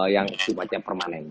yang jembatan permanen